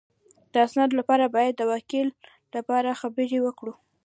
د اسنادو لپاره باید د وکیل سره خبرې وکړې